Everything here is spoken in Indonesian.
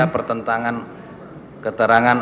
dan ada pertentangan keterangan